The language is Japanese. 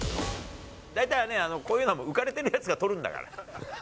大体ね、こういうのは浮かれているやつが取るんだから。